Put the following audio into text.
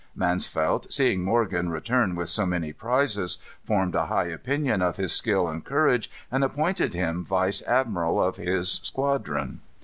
Mansvelt, seeing Morgan return with so many prizes, formed a high opinion of his skill and courage, and appointed him vice admiral of his squadron.